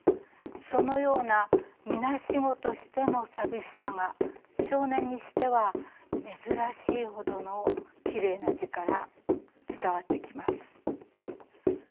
そのようなみなしごとしての寂しさが少年にしては珍しいほどのきれいな字から伝わってきます。